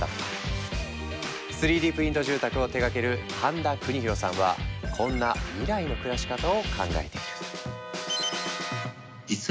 ３Ｄプリント住宅を手がける飯田国大さんはこんな未来の暮らし方を考えている。